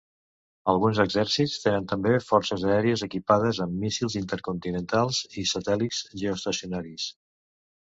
Alguns exèrcits tenen també forces aèries equipades amb míssils intercontinentals i satèl·lits geoestacionaris.